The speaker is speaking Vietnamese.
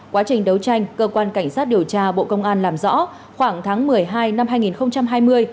quá trình đấu tranh cơ quan cảnh sát điều tra bộ công an làm rõ khoảng tháng một mươi hai năm hai nghìn hai mươi